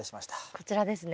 こちらですね。